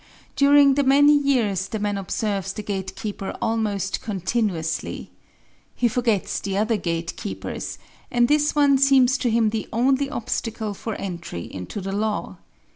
During the many years the man observes the gatekeeper almost continuously. He forgets the other gatekeepers, and this one seems to him the only obstacle for entry into the law.